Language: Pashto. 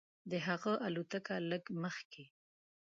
د هغه الوتکه لږ مخکې.